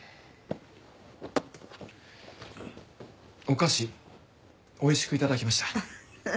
お菓子おいしく頂きました。